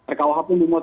rkuhp nya belum ada